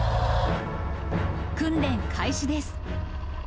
訓練開始です。